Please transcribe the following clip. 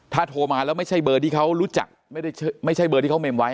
ถ้าโทรมาแล้วไม่ใช่เบอร์ที่เขารู้จักไม่ใช่เบอร์ที่เขาเมมไว้